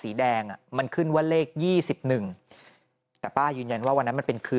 หลังจากพบศพผู้หญิงปริศนาตายตรงนี้ครับ